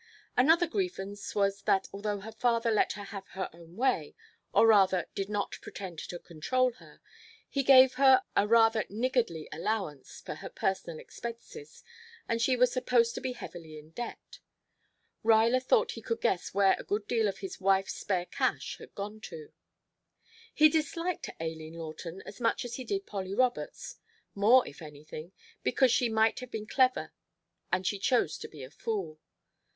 Another grievance was that although her father let her have her own way, or rather did not pretend to control her, he gave her a rather niggardly allowance for her personal expenses and she was supposed to be heavily in debt. Ruyler thought he could guess where a good deal of his wife's spare cash had gone to. He disliked Aileen Lawton as much as he did Polly Roberts; more, if anything, because she might have been clever and she chose to be a fool.